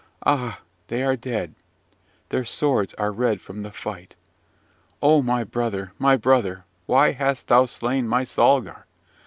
Ah, they are dead! Their swords are red from the fight. O my brother! my brother! why hast thou slain my Salgar!